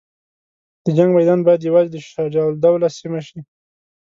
د جنګ میدان باید یوازې د شجاع الدوله سیمه شي.